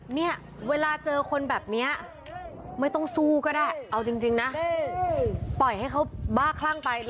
เนี่ยเวลาเจอคนแบบนี้ไม่ต้องสู้ก็ได้เอาจริงนะปล่อยให้เขาบ้าคลั่งไป